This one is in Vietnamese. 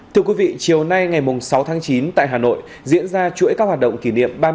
thưa quý vị chiều nay ngày sáu tháng chín tại hà nội diễn ra chuỗi các hoạt động kỷ niệm